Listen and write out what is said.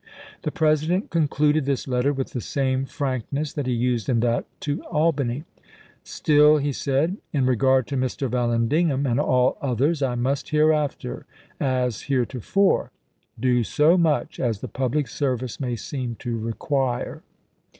The President concluded this letter with the same frankness that he used in that to Albany. " Still," he said, "in regard to Mr. Vallandigham and all others, I must hereafter, as heretofore, do so much as the public service may seem to require."